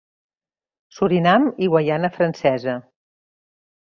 Surinam i Guaiana Francesa.